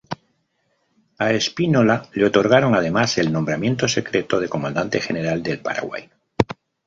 A Espínola le otorgaron además el nombramiento secreto de comandante general del Paraguay.